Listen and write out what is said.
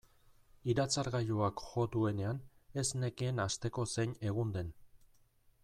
Iratzargailuak jo duenean ez nekien asteko zein egun den.